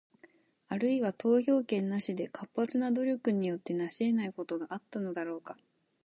あるいは、投票権なしでの活発な努力によって成し得ないことがあったのだろうか？